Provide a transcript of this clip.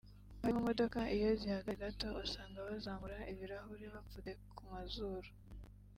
abari mu modoka iyo zihagaze gato usanga bazamura ibirahure bapfutse ku mazuru